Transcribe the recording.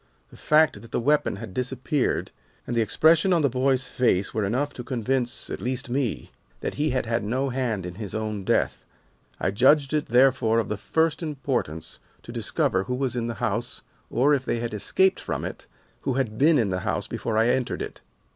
The fact that the weapon had disappeared, and the expression on the boy's face were enough to convince, at least me, that he had had no hand in his own death. I judged it, therefore, of the first importance to discover who was in the house, or, if they had escaped from it, who had been in the house before I entered it.